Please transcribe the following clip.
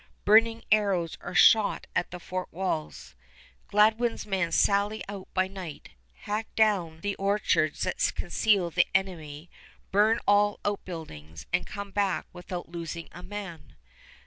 Burning arrows are shot at the fort walls. Gladwin's men sally out by night, hack down the orchards that conceal the enemy, burn all outbuildings, and come back without losing a man.